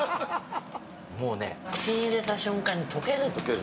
もうね、口に入れた瞬間に溶ける。